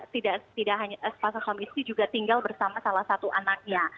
tidak hanya sepasang suami istri juga tinggal bersama salah satu anaknya